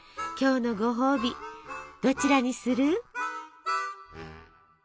今日のごほうびどちらにする？